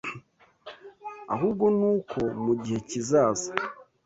ahubwo n’uko mu gihe kizaza